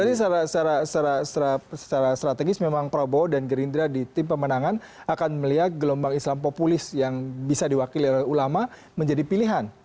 jadi secara strategis memang prabowo dan gerindra di tim pemenangan akan melihat gelombang islam populis yang bisa diwakili oleh ulama menjadi pilihan